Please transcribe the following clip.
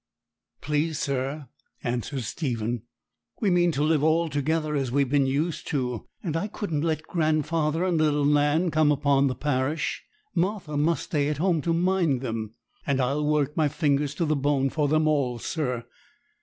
'Please, sir,' answered Stephen, 'we mean to live all together as we've been used; and I couldn't let grandfather and little Nan come upon the parish. Martha must stay at home to mind them; and I'll work my fingers to the bone for them all, sir.